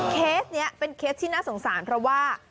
เคสนี้เป็นเคสที่น่าสงสารเพราะว่า